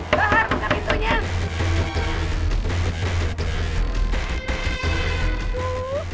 itu paling yang kecebur tuh